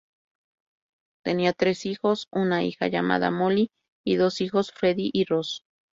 Tenía tres hijos, una hija llamada Molly y dos hijos, Freddie y Ross.